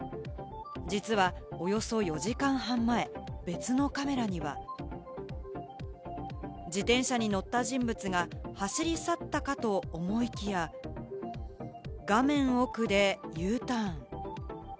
実はおよそ４時間半前、別のカメラには、自転車に乗った人物が走り去ったかと思いきや、画面奥でＵターン。